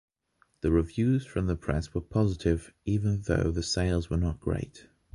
The reviews from the press were positive even though the sales were not great.